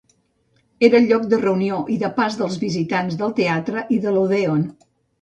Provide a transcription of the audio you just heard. Era el lloc de reunió i de pas dels visitants del teatre i de l'odèon.